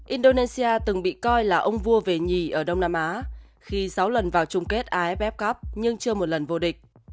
indonesia từng bị coi là ông vua về nhì ở đông nam á khi sáu lần vào chung kết aff cup nhưng chưa một lần vô địch